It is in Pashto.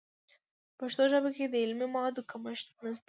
په پښتو ژبه کې د علمي موادو کمښت نشته.